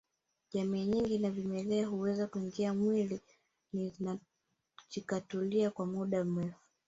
Jamii nyingine za vimelea huweza kuingia mwili na zikatulia kwa muda mrefu